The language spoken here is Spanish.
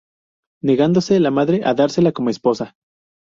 Negándose la madre a dársela como esposa.